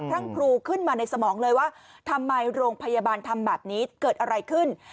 ทั้งครูขึ้นมาในสมองเลยว่าทำไมโรงพยาบาลทำแบบนี้เกิดอะไรขึ้น